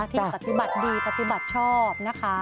ที่ปฏิบัติดีปฏิบัติชอบนะคะ